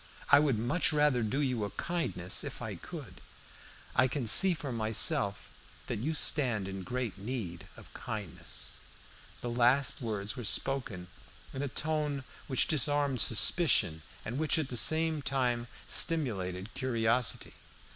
I would much rather do you a kindness, if I could. I can see for myself that you stand in great need of kindness." The last words were spoken in a tone which disarmed suspicion, and which at the same time stimulated curiosity.